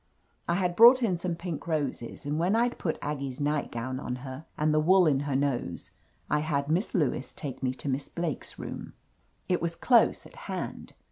I had brought in some pink roses, and when I'd put Aggie's nightgown on her and the wool in her nose, I had Miss Lewis take me to Miss Blake's room. It was close at hand.